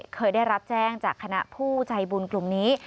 เคยได้รับแจ้งจากคณะผู้ใจบุญกลุ่มนี้